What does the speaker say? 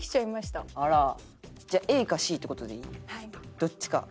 どっちか。